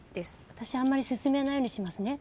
私あんまり進めないようにしますね。